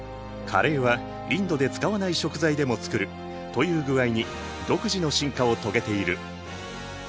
カレーはインドで使わない食材でも作るという具合に独自の進化を遂げている。